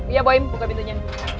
iya boyim buka pintunya